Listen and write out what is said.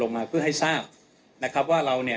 มาเพื่อให้ทราบนะครับว่าเราเนี่ย